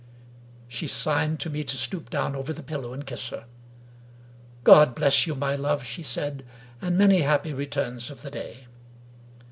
She signed to me to stoop down over the pillow and kiss her. " God bless you, my love !" she said ;" and many happy returns of the day."